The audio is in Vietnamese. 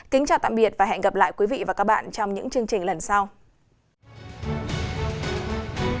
kính chào tạm biệt và hẹn gặp lại quý vị và các bạn trong những chương trình lần sau